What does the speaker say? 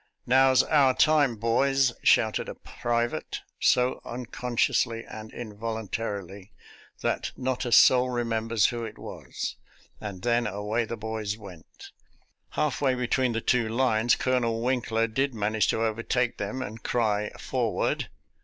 " Now's our time, boys," shouted a private, so unconsciously and 248 SOLDIER'S LETTERS TO CHARMING NELLIE involuntarily that not a soul remembers who it was, and then away the boys went. Halfway between the two lines Colonel Winkler did man age to overtake them and cry " Forward